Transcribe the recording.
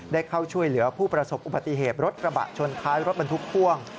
ได้เข้าช่วยเหลือผู้ประสบอุบัติเหตุรถกระบะชนท้ายรถบรรทุกพ่วง